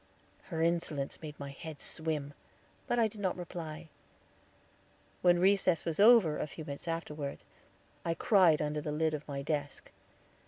Her insolence made my head swim; but I did not reply. When recess was over a few minutes afterward, I cried under the lid of my desk.